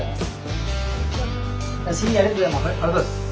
ありがとうございます。